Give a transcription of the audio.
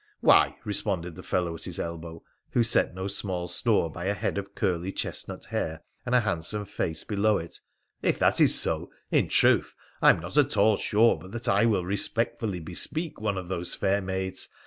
' Why !' responded the fellow at his elbow, who set no small store by a head of curly chestnut hair and a handsome face below it, ' if that is so, in truth I am not at all sure but that I will respectfully bespeak one of those fair maids.